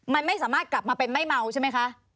มันไม่สามารถกลับมาเป็นไม่เมาใช่ไหมคะ